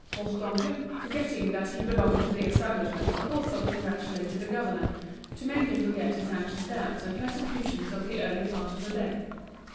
Bourdoncle, forgetting that he belonged to the establishment, also congratulated the governor, to make him forget his anxious doubts and persecutions of the early part of the day.